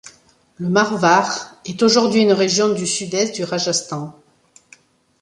Le Mârvar est aujourd'hui une région du sud-est du Rajasthan.